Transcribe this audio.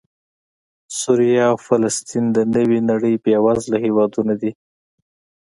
سوریه او فلسطین د نوې نړۍ بېوزله هېوادونه دي